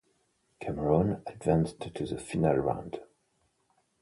Cameroon advanced to the Final Round.